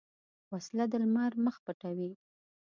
وسله د لمر مخ پټوي